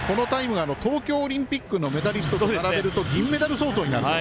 東京オリンピックのメダリストと並べると銀メダル相当になると。